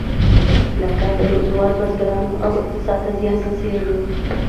دا کار د یو هېواد بزګرانو او اقتصاد ته زیان رسیږي.